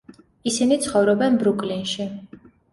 ისინი ცხოვრობენ ბრუკლინში.